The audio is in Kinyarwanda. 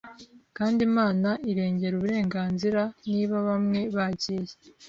kandi Imana irengera uburenganzira. Niba bamwe bagiye,